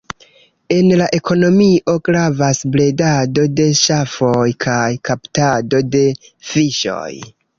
En la ekonomio gravas bredado de ŝafoj kaj kaptado de fiŝoj.